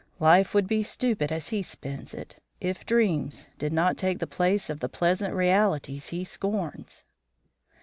Life would be stupid as he spends it, if dreams did not take the place of the pleasant realities he scorns."